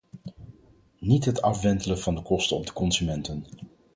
Niet het afwentelen van de kosten op de consumenten.